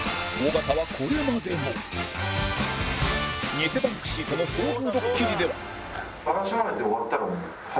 偽バンクシーとの遭遇ドッキリでは